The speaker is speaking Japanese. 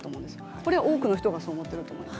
これ多くの人がそう思っていると思います。